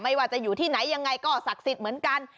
ว่าจะอยู่ที่ไหนยังไงก็ศักดิ์สิทธิ์เหมือนกัน